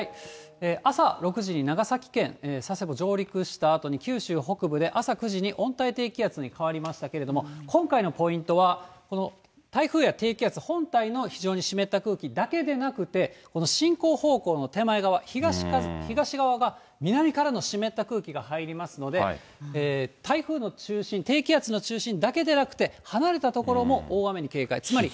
朝６時に長崎県佐世保上陸したあとに、九州北部で朝９時に温帯低気圧に変わりましたけれども、今回のポイントは、この台風や低気圧本体の非常に湿った空気だけでなくて、この進行方向の手前側、東側が南からの湿った空気が入りますので、台風の中心、低気圧の中心だけでなくて、離れた所も大雨に警戒、つまり。